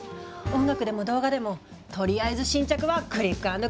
音楽でも動画でもとりあえず新着はクリックアンドクリックよ。